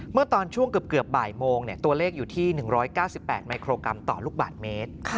เมื่อตอนช่วงเกือบบ่ายโมงตัวเลขอยู่ที่๑๙๘มิโครกรัมต่อลูกบาทเมตร